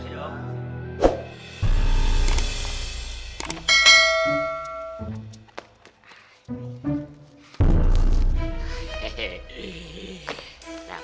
sudah ya pak kita pulang